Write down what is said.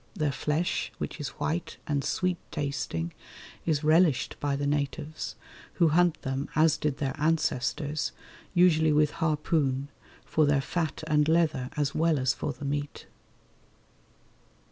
Their flesh, which is white and sweet tasting, is relished by the natives, who hunt them as did their ancestors, usually with harpoon, for their fat and leather as well as for the meat.